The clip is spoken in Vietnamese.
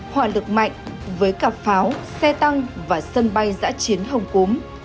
họa lực mạnh với cả pháo xe tăng và sân bay giã chiến hồng cúm